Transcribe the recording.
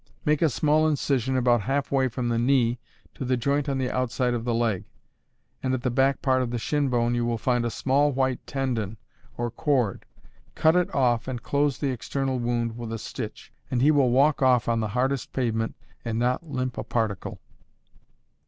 _ Make a small incision about half way from the knee to the joint on the outside of the leg, and at the back part of the shin bone you will find a small white tendon or cord, cut it off and close the external wound with a stitch, and he will walk off on the hardest pavement and not limp a particle.